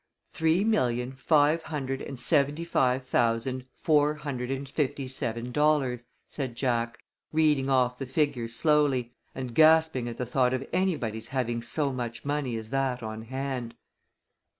"Three million five hundred and seventy five thousand four hundred and fifty seven dollars," said Jack, reading off the figures slowly, and gasping at the thought of anybody's having so much money as that on hand.